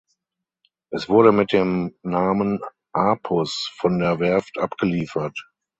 Es wurde mit dem Namen "Apus" von der Werft abgeliefert.